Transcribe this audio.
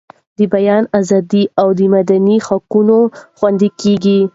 د بیان ازادي او مدني حقونه خوندي کیږي.